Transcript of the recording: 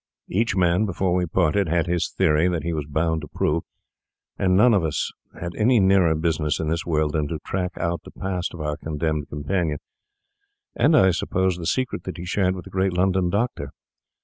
Each man, before we parted, had his theory that he was bound to prove; and none of us had any nearer business in this world than to track out the past of our condemned companion, and surprise the secret that he shared with the great London doctor.